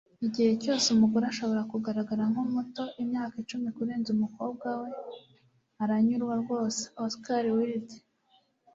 igihe cyose umugore ashobora kugaragara nkumuto imyaka icumi kurenza umukobwa we, aranyurwa rwose - oscar wilde